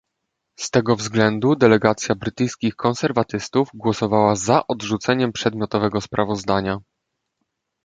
Z tego względu delegacja brytyjskich konserwatystów głosowała za odrzuceniem przedmiotowego sprawozdania